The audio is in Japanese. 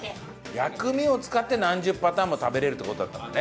薬味を使って何十パターンも食べれるって事だったのね。